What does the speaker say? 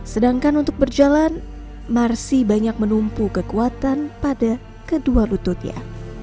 sedangkan untuk berjalan marsi banyak menumpu kekuatan pada kedua lututnya